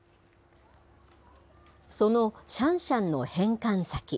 そのシャンシャンの返還先。